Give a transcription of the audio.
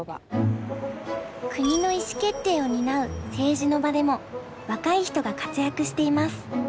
国の意思決定を担う政治の場でも若い人が活躍しています。